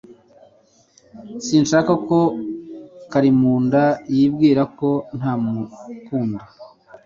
Sinshaka ko Karimunda yibwira ko ntamukunda